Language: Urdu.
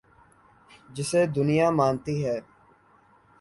جسے دنیا مانتی ہے۔